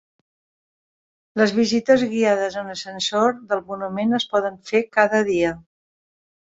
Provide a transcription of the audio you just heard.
Les visites guiades en ascensor del monument es poden fer cada dia.